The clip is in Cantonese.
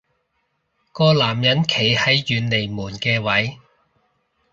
個男人企喺遠離門嘅位